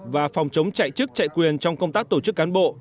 và phòng chống chạy chức chạy quyền trong công tác tổ chức cán bộ